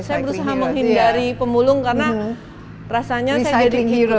saya berusaha menghindari pemulung karena rasanya saya jadi giro